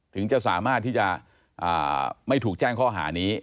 ถึงจะสามารถที่จะไม่ถูกแจ้งข้อหานี้